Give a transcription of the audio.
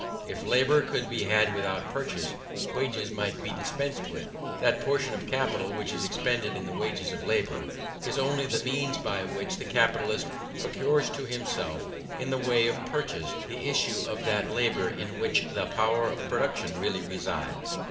If labour could be had without purchase, wages might be dispensed with. That portion of capital which is expended in the wages of labour, is only the means by which the capitalist procures to himself, in the way of purchase, the use of that labour in which the power of production really resides.